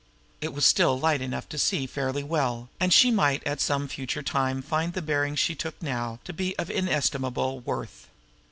It was still light enough to see fairly well, and she might at some future time find the bearings she took now to be of inestimable worth.